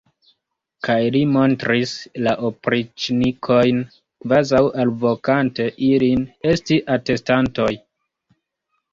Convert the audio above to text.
Kaj li montris la opriĉnikojn, kvazaŭ alvokante ilin esti atestantoj.